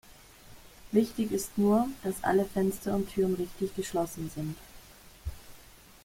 Wichtig ist nur, dass alle Fenster und Türen richtig geschlossen sind.